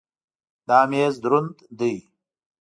دا مېز دروند دی.